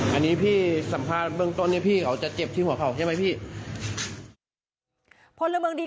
อันนี้พี่สัมภาษณ์เบื้องต้นผู้ชายคนนี้พ่อเรียนเบื้องดี